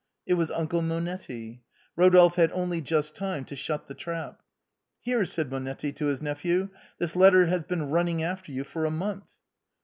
It was Uncle Monetti. Eodolphe had only just time to shut the trap. " Here," said Monetti to his nephew, " this letter has been running after you for a month."